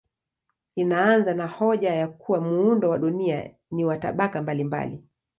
Inaanza na hoja ya kuwa muundo wa dunia ni wa tabaka mbalimbali.